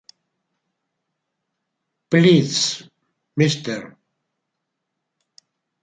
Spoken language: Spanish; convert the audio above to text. Please Mr.